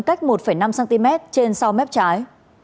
cách một năm cm trên sau mép trái